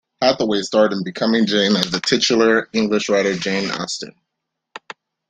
Hathaway starred in "Becoming Jane", as the titular English writer Jane Austen.